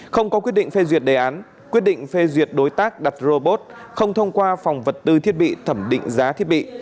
không có quyết định phê duyệt đề án quyết định phê duyệt đối tác đặt robot không thông qua phòng vật tư thiết bị thẩm định giá thiết bị